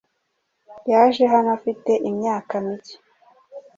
Yaje hano afite imyaka micye